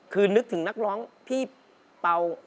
คือนึกถึงนักร้องพี่เป่า